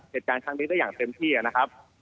เหตุการณ์ครั้งนี้ได้อย่างเต็มที่นะครับ